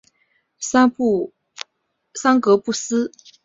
桑格布斯。